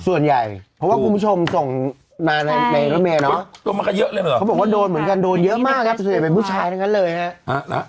ส่วนใหญ่ว่าคุณผู้ชมส่งในโรงแมนเนอะเดินมากันเยอะเลยเหรอ